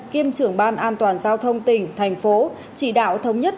kiêm trưởng ban an toàn giao thông tỉnh thành phố chỉ đạo thống nhất